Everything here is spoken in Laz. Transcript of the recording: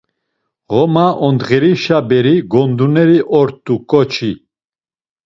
Ğoma ondğerişa beri gonduneri ort̆u ǩoçi.